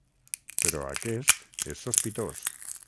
Però aquest és sospitós.